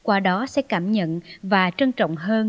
qua đó sẽ cảm nhận và trân trọng hơn